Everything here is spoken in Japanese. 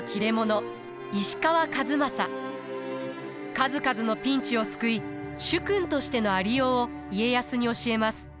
数々のピンチを救い主君としてのありようを家康に教えます。